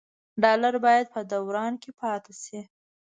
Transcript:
ډالر باید په دوران کې پاتې شي.